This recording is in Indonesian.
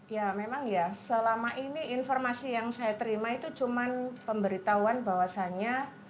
ya memang ya selama ini informasi yang saya terima itu cuma pemberitahuan bahwasannya